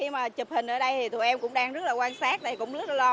mình ở đây thì tụi em cũng đang rất là quan sát cũng rất là lo